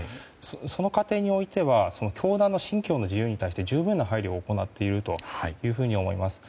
その過程においては教団の信教の自由について十分な配慮を行っていると思います。